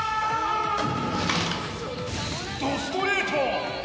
怒ストレート！